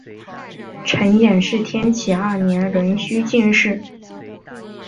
陈演是天启二年壬戌进士。